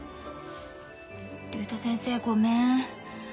竜太先生ごめん。